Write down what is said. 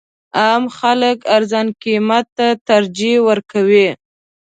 عام خلک ارزان قیمت ته ترجیح ورکوي.